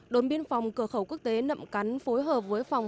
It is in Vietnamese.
đồn biên phòng cửa khẩu quốc tế nậm cắn phối hợp với phòng